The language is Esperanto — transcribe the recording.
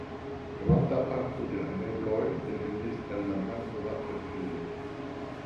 Granda parto de la mebloj devenis el la malnova preĝejo.